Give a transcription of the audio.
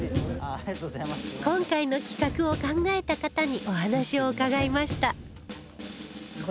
今回の企画を考えた方にお話を伺いました